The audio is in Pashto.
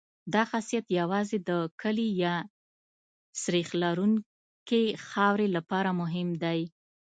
دا خاصیت یوازې د کلې یا سریښ لرونکې خاورې لپاره مهم دی